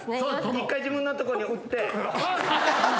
一回自分のとこに打って。